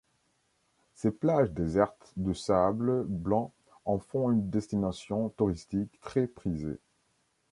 Ses plages désertes de sable blanc en font une destination touristique très prisée.